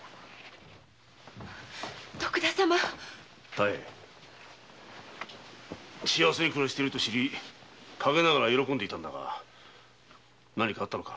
妙幸せに暮らしていると知り陰ながら喜んでいたのだが何かあったのか？